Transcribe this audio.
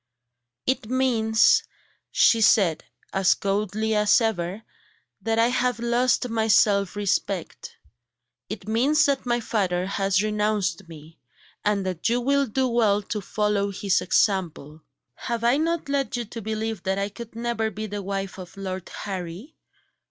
"It means," she said, as coldly as ever, "that I have lost my self respect; it means that my father has renounced me, and that you will do well to follow his example. Have I not led you to believe that I could never be the wife of Lord Harry?